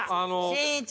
しんいち！